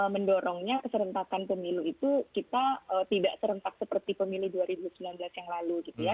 mendorongnya keserentakan pemilu itu kita tidak serentak seperti pemilu dua ribu sembilan belas yang lalu gitu ya